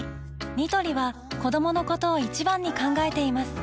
ニトリは子どものことを一番に考えています